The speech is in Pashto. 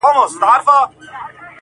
بار چي خر نه وړي، نو په خپله به ئې وړې.